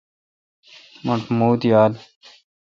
مٹھ موُت یال۔